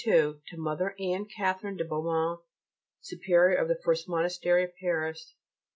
LII. _To Mother Anne Catherine de Beaumont, Superior of the First Monastery of Paris.